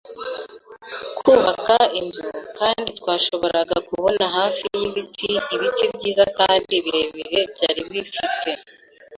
kubaka inzu, kandi twashoboraga kubona hafi y'ibiti ibiti byiza kandi birebire byari bifite